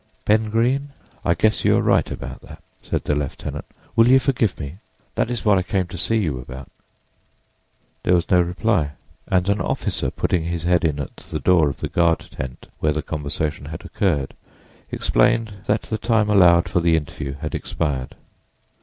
"Ben Greene, I guess you are right about that," said the lieutenant. "Will you forgive me? That is what I came to see you about." There was no reply, and an officer putting his head in at the door of the guard tent where the conversation had occurred, explained that the time allowed for the interview had expired.